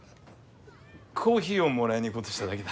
コーヒーをもらいに行こうとしただけだ。